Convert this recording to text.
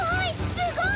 すごい！